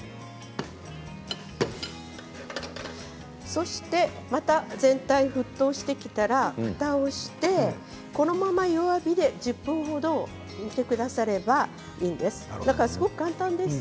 そして、また全体沸騰してきたら、ふたをしてこのまま弱火で１０分ほど煮てくださればいいんです。